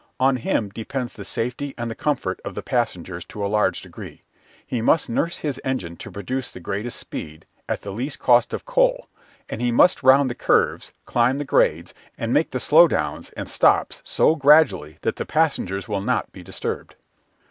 On him depends the safety and the comfort of the passengers to a large degree; he must nurse his engine to produce the greatest speed at the least cost of coal, and he must round the curves, climb the grades, and make the slow downs and stops so gradually that the passengers will not be disturbed.